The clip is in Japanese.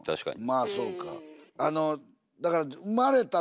まあそうか。